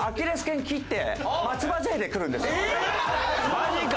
マジか！